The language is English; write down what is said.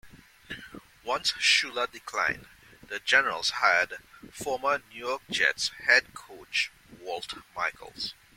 Once Shula declined, the Generals hired former New York Jets head coach Walt Michaels.